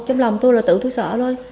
sợ trong lòng tôi là tự tôi sợ thôi